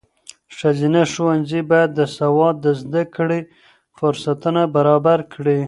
ښځینه ښوونځي باید د سواد د زده کړې فرصتونه برابر کړي.